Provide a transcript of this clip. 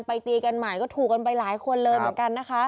ตีกันใหม่ก็ถูกกันไปหลายคนเลยเหมือนกันนะคะ